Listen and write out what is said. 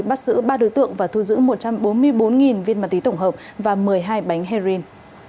bắt giữ ba đối tượng và thu giữ một trăm bốn mươi bốn viên ma túy tổng hợp và một mươi hai bánh heroin